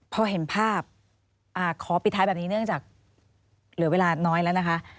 พอเห็นภาพขอปิดท้ายแบบนี้เนื่องจากเหลือเวลาน้อยแล้วนะคะ